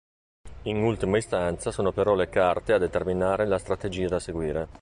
In ultima istanza sono però le carte a determinare la strategia da seguire.